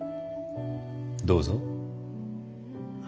どうぞ。